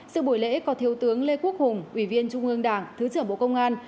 sự buổi lễ có thiếu tướng lê quốc hùng ủy viên trung ương đảng thứ trưởng bộ công an